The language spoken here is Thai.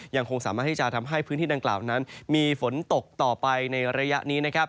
ยังคงสามารถที่จะทำให้พื้นที่ดังกล่าวนั้นมีฝนตกต่อไปในระยะนี้นะครับ